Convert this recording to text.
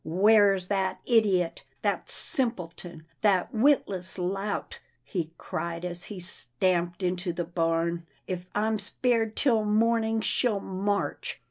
" Where's that idiot — that simpleton — that witless lout ?" he cried, as he stamped into the barn. " If I'm spared till morning, she'll march."